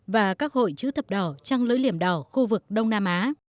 và các hội chữ thập đỏ trăng lưỡi liềm đỏ khu vực đông nam á